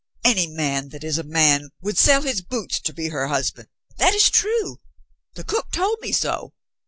"Any man that is a man would sell his boots to be her husband. That is true. The cook told me so.